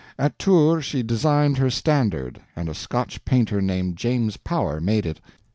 At Tours she designed her Standard, and a Scotch painter named James Power made it.